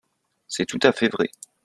C’est tout à fait vrai